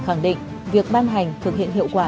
khẳng định việc ban hành thực hiện hiệu quả